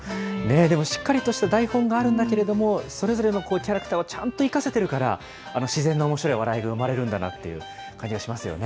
でもしっかりとした台本があるんだけれども、それぞれのキャラクターをちゃんと生かせてるから、あの自然なおもしろい笑いが生まれるんだなっていう感じがしますよね。